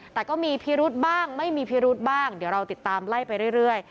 แต่ก็มีพิรุธบ้างไม่มีพิรุธบ้างเดี๋ยวเราติดตามไล่ไปเรื่อย